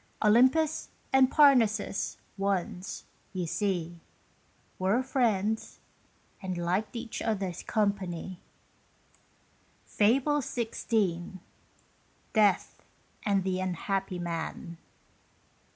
Olympus and Parnassus once, you see, Were friends, and liked each other's company. FABLE XVI. DEATH AND THE UNHAPPY MAN.